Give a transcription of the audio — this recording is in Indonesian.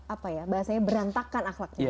apa ya bahasanya berantakan akhlak